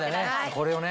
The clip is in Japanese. これをね。